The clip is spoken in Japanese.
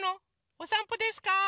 おさんぽですか？